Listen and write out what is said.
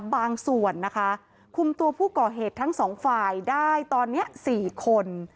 บางส่วนนะคะคุมตัวผู้ก่อเหตุทั้งสองฝ่ายได้ตอนนี้๔คน